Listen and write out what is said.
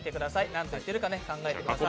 何と言ってるか考えてください。